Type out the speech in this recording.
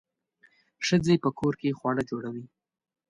ښځې په کور کې خواړه جوړوي.